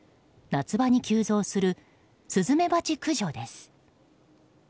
夏場に急増するスズメバチ駆除です。